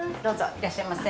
いらっしゃいませ。